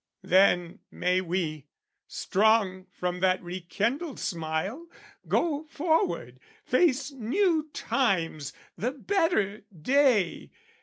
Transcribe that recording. Then may we, strong from that rekindled smile, Go forward, face new times, the better day.